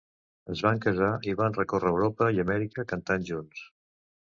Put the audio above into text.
Es van casar i van recórrer Europa i Amèrica cantant junts.